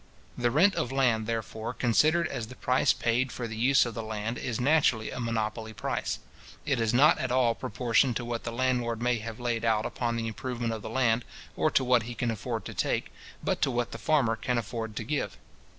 The rent of land, therefore, considered as the price paid for the use of the land, is naturally a monopoly price. It is not at all proportioned to what the landlord may have laid out upon the improvement of the land, or to what he can afford to take, but to what the farmer can afford to give.